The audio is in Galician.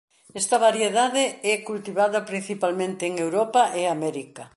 Esta variedade é cultivada principalmente en Europa e América.